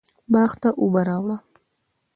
باغ ته اوبه راواړوه